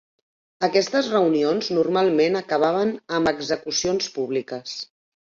Aquestes reunions normalment acabaven amb execucions públiques.